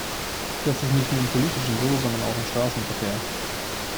Das ist nicht nur im Politischen so, sondern auch im Straßenverkehr.